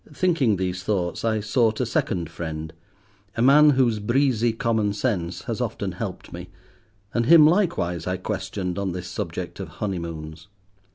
Thinking these thoughts, I sought a second friend—a man whose breezy common sense has often helped me, and him likewise I questioned on this subject of honeymoons.